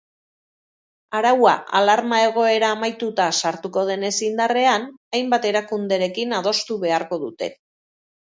Araua, alarma-egoera amaituta sartuko denez indarrean, hainbat erakunderekin adostu beharko dute.